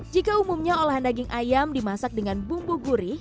jika umumnya olahan daging ayam dimasak dengan bumbu gurih